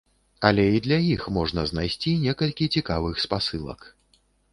Але і для іх можна знайсці некалькі цікавых спасылак.